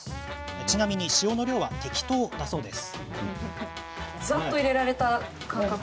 ちなみに塩の量は適当だそうです。